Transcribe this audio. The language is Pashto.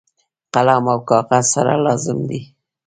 قلم او کاغذ سره لازم دي.